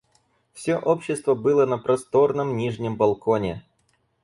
Всё общество было на просторном нижнем балконе.